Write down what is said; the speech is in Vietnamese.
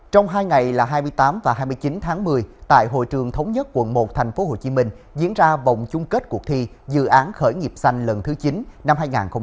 trong hai ngày là hai mươi tám và hai mươi chín tháng một mươi tại hội trường thống nhất quận một tp hcm diễn ra vòng chung kết cuộc thi dự án khởi nghiệp xanh lần thứ chín năm hai nghìn hai mươi